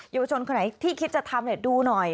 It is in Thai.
วชนคนไหนที่คิดจะทำดูหน่อย